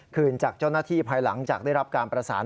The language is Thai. คืนจากเจ้าหน้าที่ภายหลังจากได้รับการประสาน